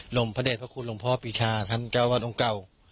มพระเด็จพระคุณหลวงพ่อปีชาท่านเจ้าวาดองค์เก่า